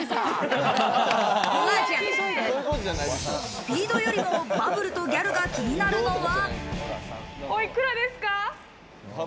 スピードよりもバブルとギャルが気になるのは。